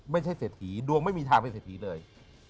ไม่ใช่เศรษฐีดวงไม่มีทางไปเศรษฐีเลย